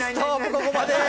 ここまで！